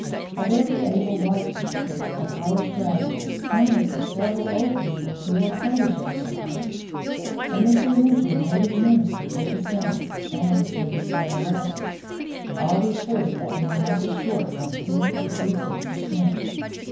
A very able white teacher, a college graduate, counted for several old people who were prot6g6s of hers; an influential native minister did the same, and so did several others ; all reported that the amount was short from ten to fifteen per cent.